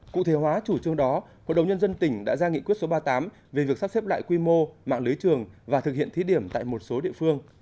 cụ thể hóa chủ trương đó hội đồng nhân dân tỉnh đã ra nghị quyết số ba mươi tám về việc sắp xếp lại quy mô mạng lưới trường và thực hiện thí điểm tại một số địa phương